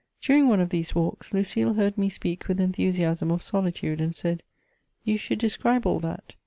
During one of these walks, Lucile heard me speak with en thusiasm of solitude, and said, " You should describe all that."